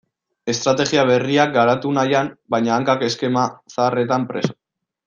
Estrategia berriak garatu nahian, baina hankak eskema zaharretan preso.